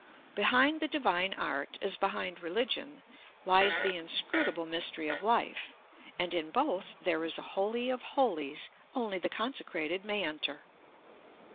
Behind the Divine Art, as behind Religion, lies the inscrutable mystery of Life, and in both there is a Holy of Holies only the consecrated may enter.